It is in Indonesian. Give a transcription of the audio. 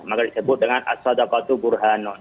makanya disebut dengan as sadaqatu burhanu